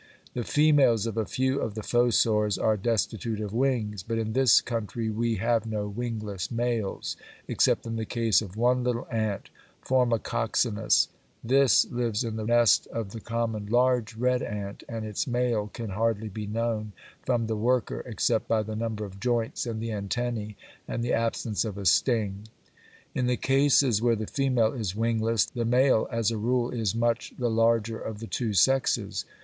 The females of a few of the fossors are destitute of wings; but in this country we have no wingless males, except in the case of one little ant (Formicoxenus); this lives in the nest of the common large red ant, and its male can hardly be known from the worker except by the number of joints in the antennæ and the absence of a sting. In the cases where the female is wingless, the male as a rule is much the larger of the two sexes.